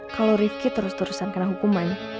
kalau rifki terus terusan kena hukuman